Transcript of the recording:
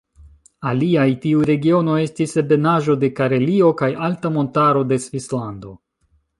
Aliaj tiuj regionoj estis ebenaĵo de Karelio kaj alta montaro de Svislando.